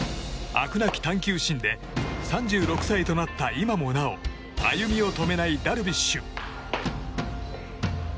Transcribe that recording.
あくなき探求心で３６歳となった今もなお歩みを止めないダルビッシュ。